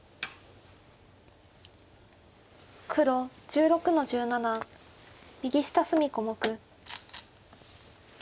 黒１６の十七右下隅小目。